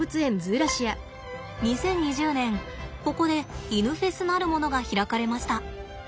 ２０２０年ここで「イヌフェス！」なるものが開かれました。